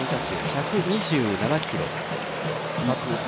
１２７キロ。